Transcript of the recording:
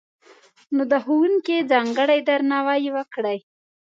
نو، د ښوونکي ځانګړی درناوی وکړئ!